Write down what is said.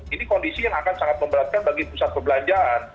ini kondisi yang akan sangat memberatkan bagi pusat perbelanjaan